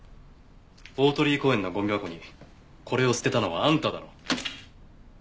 大鳥居公園のゴミ箱にこれを捨てたのはあんただろ？